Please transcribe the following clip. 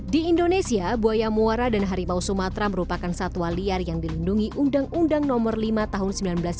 di indonesia buaya muara dan harimau sumatera merupakan satwa liar yang dilindungi undang undang nomor lima tahun seribu sembilan ratus sembilan puluh